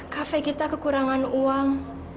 cafe kita kekurangan uang